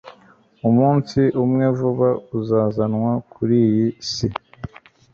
umunsi umwe vuba uzazanwa kuriyi si